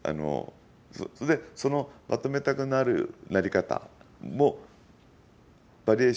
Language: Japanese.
それで、そのまとめたくなるなり方もバリエーションがある。